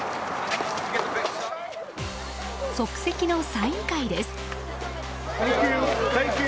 即席のサイン会です。